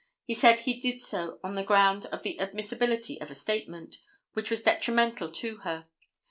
He said he did so on the ground of the admissibility of a statement, which was detrimental to her.